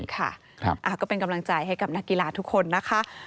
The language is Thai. ค่ะก็เป็นกำลังใจให้กับนักกีฬาทุกคนนะคะ